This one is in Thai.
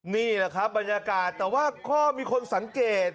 นี่แหละครับบรรยากาศแต่ว่าก็มีคนสังเกต